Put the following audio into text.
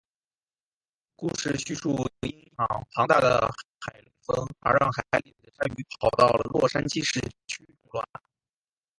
故事叙述因一场庞大的海龙卷风而让海里的鲨鱼跑到了洛杉矶市区中作乱。